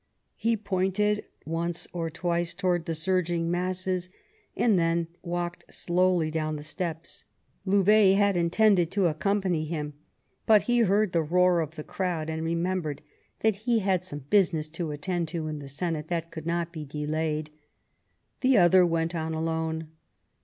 He pointed once or twice towards the surging masses, and then walked slowly down the steps. Louvet had intended to accompany him, but he heard the roar of the crowd and remembered that he had some business to attend to in the Senate that could not be delayed; the other went on alone.